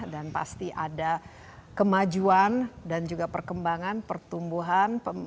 dan pasti ada kemajuan dan juga perkembangan pertumbuhan